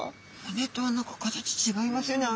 骨とは何か形違いますよね